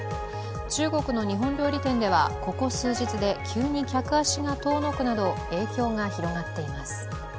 中国の日本料理店ではここ数日で急に客足が遠のくなど影響が広がっています。